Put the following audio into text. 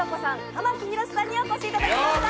玉木宏さんにお越しいただきました。